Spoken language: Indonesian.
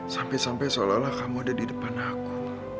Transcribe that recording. sampai sampai seolah olah kamu ada di depan aku